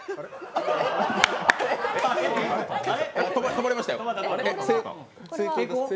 止まりましたよ。